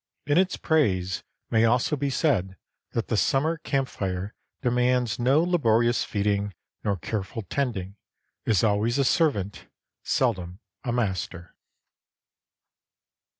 In its praise may also be said that the summer camp fire demands no laborious feeding nor careful tending, is always a servant, seldom a master.